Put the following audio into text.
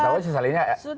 siapa tau sih selainya